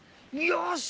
よし！